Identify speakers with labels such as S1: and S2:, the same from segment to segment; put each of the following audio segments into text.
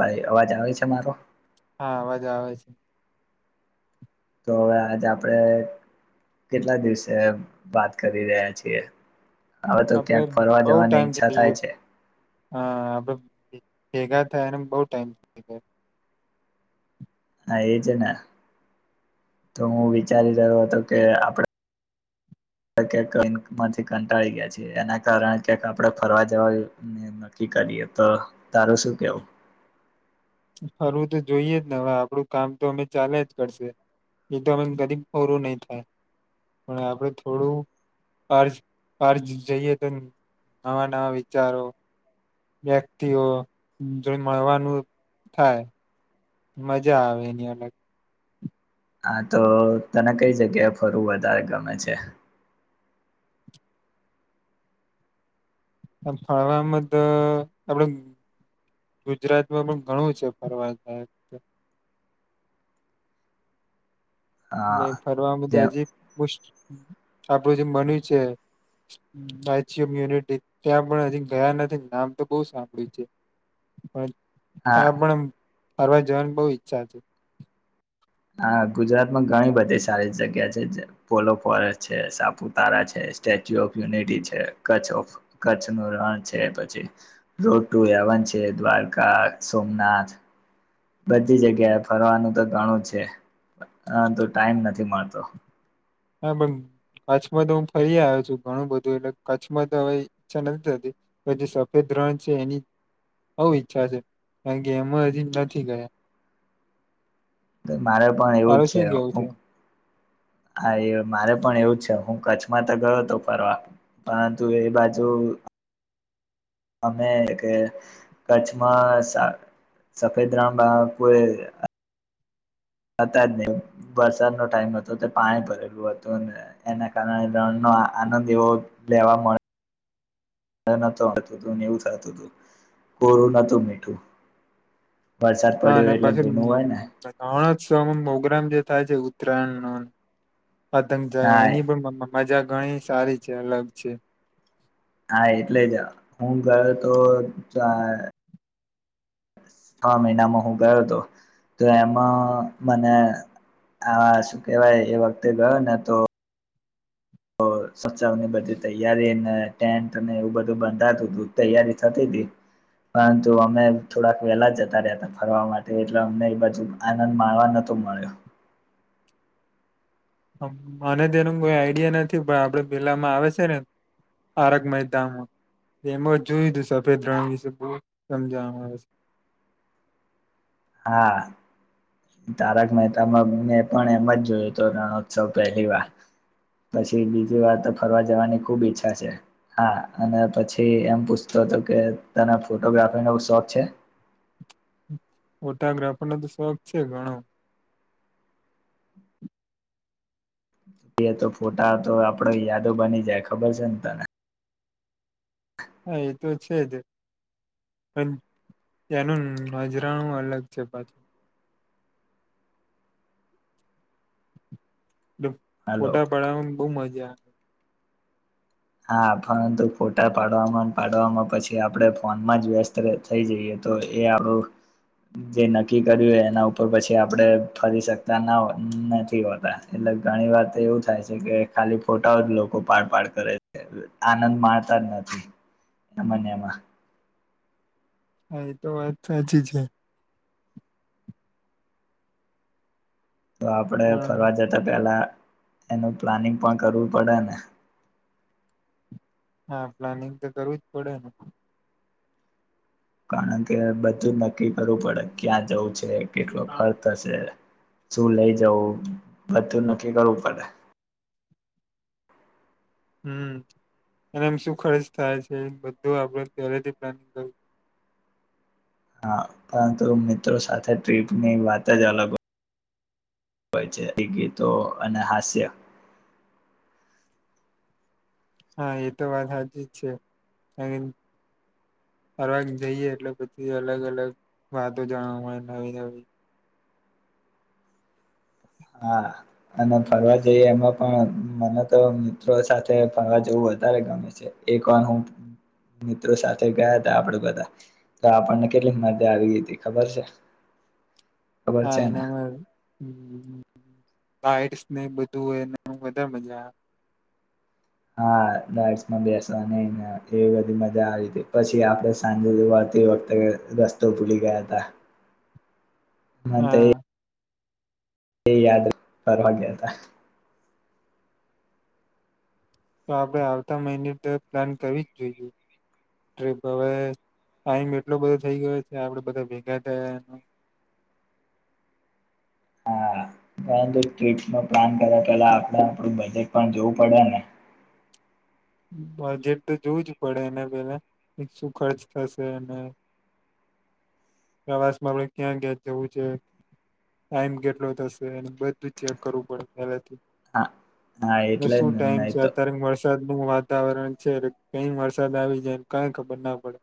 S1: ભાઈ અવાજ આવે છે મારો
S2: હા અવાજ આવે છે
S1: તો હવે આજે આપણેે કેટલા દિવસે વાત કરી રહ્યા છીએ હવે તો
S2: આપડે
S1: ક્યાંક ફરવા
S2: બઉ
S1: જવાની
S2: ટાઈમ
S1: ઈચ્છા
S2: થઈ ગયો
S1: થાય છે
S2: હા આપ ભેગા થયા એને બહુ ટાઈમ થઈ ગયો
S1: એ હા છે ને તો હું વિચારી રહ્યો હતો કે આપણેમાંથી કંટાળી ગયા છે એના કારણે આપણે ફરવા જવા નક્કી કરીએ તો તારું શું કેવું
S2: ફરવું તો જોઈએ જ ને હવે આપડું કામ તો અમે ચાલે જ કરશે એ તો અમે કદી ફરું નહી થાય પણ આપડ થોડું અર્જ અજ જઈએ તો નવા નવા વિચારો વ્યક્તિઓ જોઈ મડવાનું થાય મજા આવે એની અલગ
S1: હા તો તને કઈ જગ્યાએ ફરવું વધારે ગમે છે
S2: આ ફરવાવામાં તો આપડે ગુજરાતમાં પણ ઘણું છે ફરવાલાયક
S1: હા
S2: નહી ફરવાવામાં તો
S1: જે
S2: હજી આપડું જે બન્યું છે સ્ટેચ્યુ ઓફ યુનિટી ત્યાં પણ હજી ગયા નથી નામ તો બહુ સાંભળ્યું છે પણ હા પણ ફરવા જવાની બહુ ઈચ્છા હતી
S1: હા ગુજરાતમાં ઘણી બધી સારી જગ્યા છે પોલો ફોરેસ્ટ છે સાપુતારા છે સ્ટેચ્યુ ઓફ યુનિટી છે કચ્છ ઓફ કચ્છ ન રણ છે પછી રોડ ટુ એવન છે દ્વારકા સોમનાથ બધી જગ્યાએ ફરવાનું તો ઘણું છે હ તો ટાઈમ નથી મળતો
S2: હા પણ કચ્છમાં તો હું ફરી આવ્યો છું ઘણું બધું એટલે કચ્છમાં તો હવે ઈચ્છા નથી થતી પણ જે સફેદ રણ છે એની બહુ ઈચ્છા છે કારણ કે એમાં હજી નથી ગયા
S1: મારે પણ એવું જ
S2: તારું
S1: છે
S2: શું કેવું
S1: હું હા એ મારે પણ એવું છે હું કચ્છમાં તો ગયો હતો ફરવા પરંતુ એ બાજુ અમે કે કચ્છમાં સફેદ રણ મા કોઈ હતા જ નહીં. વરસાદનો ટાઈમ હતો તે પાણી ભરેલું હતું. અને એના કારણે રણનો આનંદ એવો લેવા મળ મળ્યો નતો તોને એવું થાતું તું કોરું નતું મીઠું વરસાદ
S2: હા
S1: પડ્યો
S2: અને
S1: એટલે
S2: પછી
S1: ભીનું હોય ને
S2: રણોત્સવમાં પ્રોગ્રામ જે થાય છે ઉત્તરાયણનો ન પતંગ
S1: હા
S2: [unintelligible] એની પણ [unintelligible] મજા ઘણી સારી છે, અલગ છે.
S1: હા એટલે જ હું ગયો તો ચાર છ મહિનામાં હું ગયો તો. તો એમાં મને આ શું કેવાય એ વખતે ગયો ને તો [inaudible] ની બધી તૈયારીને ટેન્ટને એવું બધું બંધાતું તું, તૈયારી થતી તી, પરંતુ અમે થોડાક વહેલા જતા રયાતા ફરવા માટે, એટલે અમને ઈ બાજુ આનંદ માણવા નતો મયળો.
S2: હા. મને તેનું કોઈ આઈડિયા નથી, પણ આપડે પેલામાં આવે સે ને તારક મહેતામાં એમાં જ જોયું તું સફેદ રણ વિશે બહુ સમજાવામાં આવે છે.
S1: હા. તારક મહેતામાં મેં પણ એમાં જ જોયો તો રણોત્સવ પહેલી વાર. પછી બીજી વાર તો ફરવા જવાની ખુબ ઈચ્છા છે. હા અને પછી એમ પૂછતો તો કે તને ફોટોગ્રાફીનો શોખ છે?
S2: ફોટાગ્રાફરનો તો શોખ છે ઘણો.
S1: તે તો ફોટા તો આપડા યાદો બની જાય ખબર સે ને તને.
S2: હા એ તો છે જ, પણ ત્યાંનું નજરાણું અલગ છે પાછું. [inaudible]
S1: હાલો
S2: ફોટા પાડવામાં બહુ મ જા
S1: હા પરંતુ ફોટા પાડવામાં ને પાડવામાં પછી આપણે ફોનમાં જ વ્યસ્ત ર થઈ જઈએ. તો એ આપણું જે નક્કી કર્યું એના ઉપર પછી આપણે ફરી શકતા ના હોય નથી હોતા. એટલે ઘણી વાર તો એવું થાય છે કે ખાલી ફોટાઓ જ લોકો પાડ-પાડ કરે. એટલે આનંદ માણતા જ નથી એમાં ને એમાં.
S2: હા એ તો વાત સાચી છે.
S1: તો આપણે
S2: પણ
S1: ફરવા જતા પહેલા એનું પ્લાનિંગ પણ કરવું પડે ને.
S2: હા પ્લાનિંગ તો કરવું જ પડે ને.
S1: કારણ કે બધું નક્કી કરવું પડે, ક્યાં જવું છ છે, કેટલો ખર્ચ થશે. શું લઈ જવું બધું નક્કી કરવું પડે.
S2: હમ્મ. [unintelligible] શું ખર્ચ થાય છે બધું આપણે પહેલેથી પ્લાનિંગ કરવું
S1: હા પરંતુ મિત્રો સાથે ટ્રીપની વાત જ અલગ હો હોય છે. ઈ ગીતો અને હાસ્ય.
S2: હા એ તો વાત હાચી જ છે એમ. ફરવા જઈએ એટલે બધી અલગ-અલગ વાતો જાણવા મળે નવી-નવી.
S1: હા અને ફરવા જઈએ એમાં પણ મને તો મિત્રો સાથે ફરવા જવું વધારે ગમે છે. એક વાર હું મિત્રો સાથે ગયાતા આપણે બધા તો આપણને કેટલી મજા આવી હતી, ખબર છે? ખબર
S2: હા
S1: છે ને
S2: એનામાં, હમ્મ-હમ્મ. રાઇટસ ઈ ને બધું એનામાં વધારે મજા આવે.
S1: હા રાઈટસમાં બેસવાની ને એ બધી મજા આવી તી. પછી આપણે સાંજે વળતી વખતે રસ્તો ભૂલી ગયાતા. હા તે તે યાદ ફરવા ગયાતા.
S2: તો આપણેે આવતા મહિને ટ્રીપ પ્લાન કરવી જ જોઈએ. ટ્રિપ હવે ટાઈમ એટલો બધો થઈ ગયો છે આપણેે બધા ભેગા થયા એનો.
S1: હા તો ટ્રીપનો પ્લાન કર્યા પેલા આપણે આપણું બજેટ પણ જોવું પડે ને.
S2: બજેટ તો જોવું જ પડે એને પેલા શું ખર્ચ થશે અને પ્રવાસમાં આપણે ક્યાં-ક્યાં જવું છે, ટાઈમ કેટલો થશે અને બધું ચેક કરવું પડે પહેલેથી જ.
S1: હા, હા એટલે જ ને નહીં તો
S2: નું વાતાવરણ છે, કેમ વરસાદ આવી જાય ને કાંઈ ખબર ના પડે.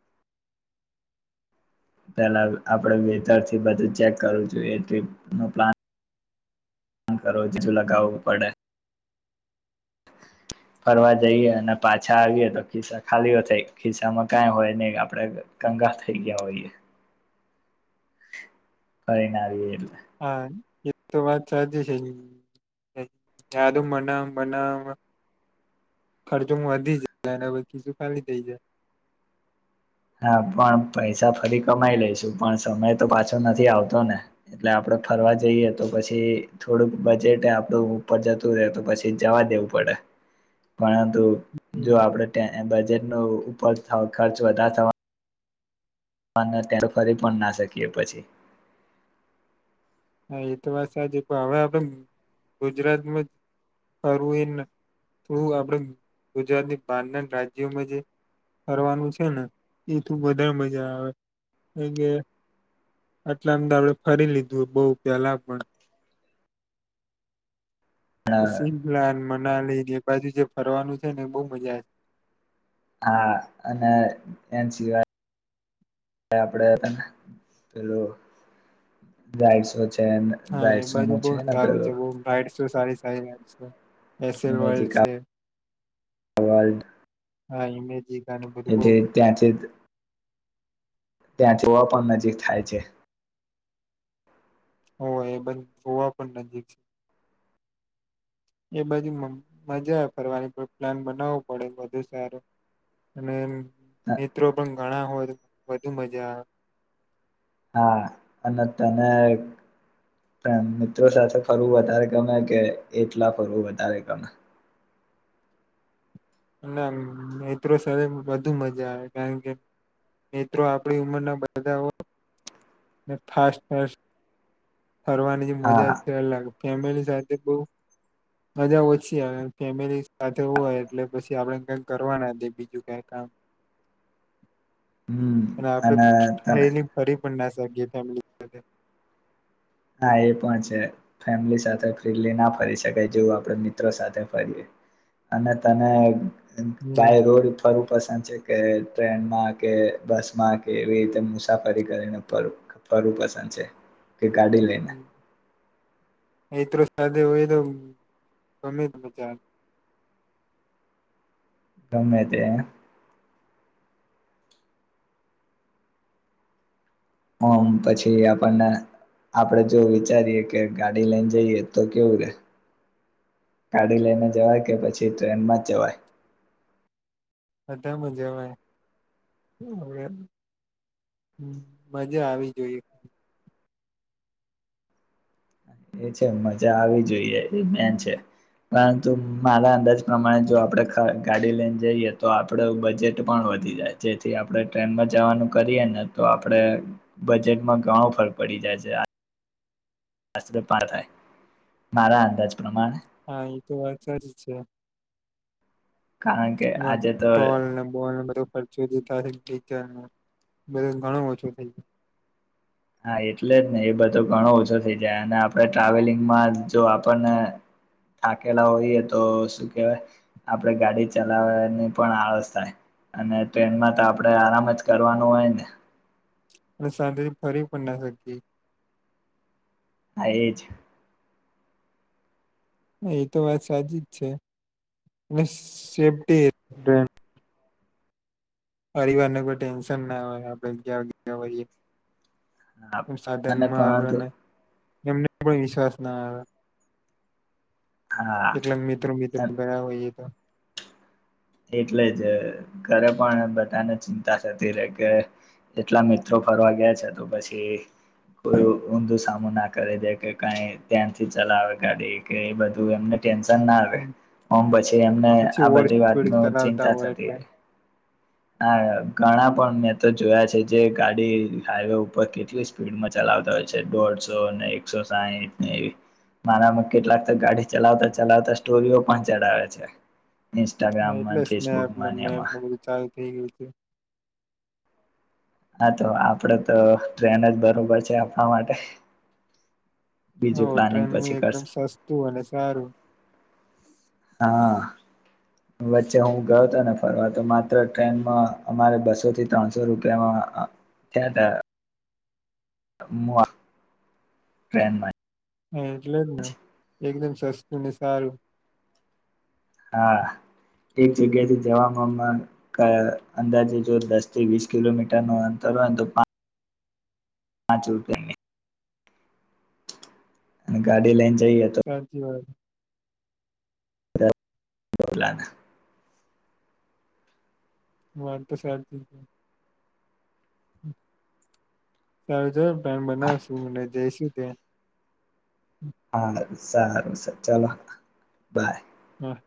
S1: પેલા આપણે વેધરથી બધું ચેક કરવું જોઈએ. ટ્રિપનું પ્લાન પણ કરવો જ લગાવવું પડે. ફરવા જઈએ અને પાછા આવીએ તો ખિસ્સા ખાલીઓ થાય ખિસ્સામાં કાંઈ હોય ને આપણેે કંગાલ થઈ ગયા હોઈએ. ફરી ને આવીએ તો.
S2: હા એ જ તો વાત સાચી છે. યાદો બનાવ બનાવવામાં ખર્ચો વધી [unintelligible] ખીસ્સું ખાલી થઈ જાય.
S1: હા પણ પૈસા ફરી કમાઈ લઈશુ, પણ સમય તો પાછો નથી આવતો ને. એટલે આપડે ફરવા જઈએ તો પછી થોડુંક બજેટ એય આપડું ઉપર જતું રહેે તો પછી જવા દેવું પડે. પણ તો જો
S2: હમ
S1: આપડે ટેહે બજેટ નો ઉપર થાવ ખર્ચ વધાર [inaudible] [unintelligible] ત્યાં તો ફરી પણ ના શકીએ પછી.
S2: હા એ તો વાત સાચી, પણ હવે આપડે ગુજરાતમાં ફરવું એ [unintelligible] આપડે ગુજરાતની બાર ના રાજ્યોમાં જે ફરવાનું છે ને એ [unintelligible] મજા આવે [unintelligible] આપડે ફરી લીધું બહું. પેલા પણ
S1: પણ
S2: સિલાન લઈ ને બાજુ જે ફરવાનું છે ને બહુ મજા આવે.
S1: હા અને એ સિવાય આપડ પેલું છે
S2: હા
S1: રાઈડ
S2: એ
S1: શો
S2: બાજુ
S1: નું છે
S2: બહ
S1: ને
S2: સારું છે બ ગાઈટ શું સારી સારી. છે એસેલ
S1: ઇમેજિક
S2: વર્લ્ડ છે
S1: વલ્ડ.
S2: હા એમેજી.
S1: એલે ત્યાં છે. જોવા પણ નજીક થાય છે.
S2: હોય એ બ જોવા પણ નજીક છે, એ બધી મજા ફરવાની પણ પ્લાન બનાવવો પડે વધુ સારું, અને મિત્રો પણ ઘણા હોય વધુ મજા આવે.
S1: હા, અને તને મિત્રો સાથે ફરવું વધારે ગમે કે એટલા ફરવું વધારે ગમે?
S2: અને મિત્રો સાથે બધુ મજા આવે કારણ કે, મિત્રો આપણી ઉંમરના બધા હો મે ફાસ ફાસ્ટ ફરવાની જે મજા
S1: હા
S2: છે એ લાગ ફેમિલી સાથે બહ મજા ઓછી આવે ફેમિલી સાથે હોય એટલે પછી આપડને કઈ કરવાના દ બીજું કઈ કામ.
S1: હમ અને તમે
S2: પસ ી ફેમિલી સાથે.
S1: હા એ પણ છે, ફેમિલી સાથે ફ્રીલી ના ફરી શકાય જેવું આપડ મિત્રો સાથે ફરીએ, અને તને બાય રોડ ફર પસંદ છે કે ટ્રેનમાં કે બસમાં કે એવી રીતે મુસાફરી કરીને ફ ફરવું પસંદ છે. ગાડી લઈને?
S2: એત સા હોય તો ગમે તો બચાર
S1: ગમે તે. ઓમ પછી આપણને આપડે જો વિચારીએ કે ગાડી લઈને જઈએ તો કેવું રે, ગાડી લઈને જવાય કે પછી ટ્રેનમાં જ જવાય?
S2: બધા મજામાંય, હવે મજા આવી જોઈએ.
S1: એ છે મજા આવી જોઈએ એ બેન છે, પરંતુ મારા અંદાજ પ્રમાણે જો આપડે ગાડી લઈને જઈએ તો આપડ બજેટ પણ વધી જાય જેથી આપણે ટ્રેનમાં જવાનું કરીએ ને તો આપણે બજેટમાં ઘણો ફરક પડી જાય છે. શસ્ત્ર પાર થાય, મારા અંદાજ પ્રમાણે.
S2: હા એ તો વાત સાચી જ છે.
S1: કારણ કે આજે તો
S2: ટોલ ને બોલને બધું ખર્ચી દી તાર બધ, ઘણો ઓછો થઇ ગ.
S1: હા એટલે જ ને એ બધો ઘણો ઓછો થઈ જાય અને આપણે ટ્રાવેલિંગમાં જો આપણને, થાકેલા હોઈએ તો શું કેહેવાય, આપણે ગાડી ચલાવાની પણ આળસ થાય, અને ટ્રેનમાં તો આપણે આરામ જ કરવાનું હોય ને.
S2: અને શાંતિથી ફરી પણ ના શકી.
S1: એ જ.
S2: એ તો વાત સાચી જ છે, અને સેફ્ટી પરિવારને કોઈ ટેન્શન ના હોય આપણેગ્યા હોએ.
S1: હ અને પા તો
S2: એમને પણ વિશ્વાસ ના આવે.
S1: હા
S2: એકલા મિત્રો મિત્રો ગયા હોઈએ તો.
S1: એટલે જ ઘરે પણ બધાને ચિંતા થતી રે કે એટલા મિત્રો ફરવા ગયા છે તો પછી કોઈુ ઊંધું સામું ના કરી દે કે કઈ ત્યાંથી ચલાવે ગાડી કે એ બધું એમને ના આવે
S2: હમ.
S1: પછી એમને
S2: પછી
S1: આ
S2: ઓવર
S1: બધી વાત
S2: સ્પીડ
S1: બ
S2: ચલાવતા
S1: ચિંતા
S2: હોય
S1: થતી
S2: એટલે
S1: હા ઘણા પણ મેં તો જોયા છે જે ગાડી હાઈવે ઉપર કેટલી સ્પીડમાં ચલાવતા હોય છે દોઢસો અને એકસો સાહીઠનેવી મારામાં કેટલાક ગાડી ચલાવતા ચલાવતા સ્ટોરીઓ પણ ચડાવે છે.
S2: હા એટલે
S1: ઇન્સ્ટાગ્રામમાં
S2: સનેપ
S1: ફેસબુકમાં ને
S2: મે
S1: એમાં
S2: બધું ચાલુ થઇ ગયું છે
S1: હા તો આપડે તો ટ્રેન જ બરોબર છે આપણા માટે
S2: હ
S1: બીજું પ્લાનિંગ
S2: ટ્રેન
S1: પછી
S2: એકદમ
S1: કરશે
S2: સસ્તું અને સારું
S1: હા વચ્ચે હું ગયો હતો ને ફરવા તો માત્ર ટ્રેનમાં અમારે બસો થી ત્રણસો રૂપિયામાં થયા તા મુઆ ટ્રેન માં
S2: હા એટલે જ ને એકદમ સસતુ ને સારું
S1: હા એક જગ્યા થી જવામાંવામાં કઅંદાજે જો દસ થી વીસ કિલોમીટર ન અંતર હોય ને તો હા ચુંતોને [unintelligible] અને ગાડી લ ઈ
S2: સાચી વાત
S1: બલાના
S2: વાર તો સાચી સારું ચલો પ્લેન બનાવશું અને જઈશું કે
S1: સારું સારું સ ચલો બાય
S2: હ